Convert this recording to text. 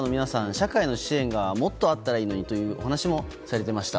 社会の支援がもっとあったらいいのにという話もされていました。